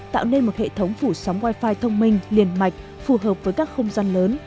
tạo nên một hệ thống phủ sóng wifi thông minh liên mạch phù hợp với các không gian lớn